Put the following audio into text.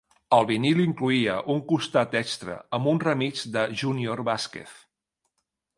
El vinil incloïa un costat extra amb un remix de Junior Vasquez.